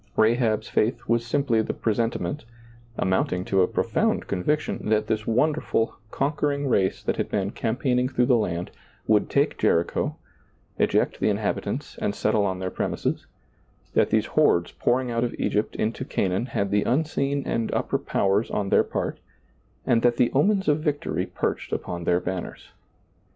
Rahab's faith was simply the presentiment — amounting to a profound con viction — that this wonderful, conquering race that had been campaigning through the land, would ^lailizccbvGoOgle RAHAB 29 take Jericho, eject the inhabitants and settle on their premises ; that these hordes pouring out of Egypt into Canaan had the unseen and upper powers on their part; and that the omens of victory perched upon their banners.